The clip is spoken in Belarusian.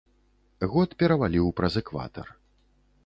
Год пераваліў праз экватар.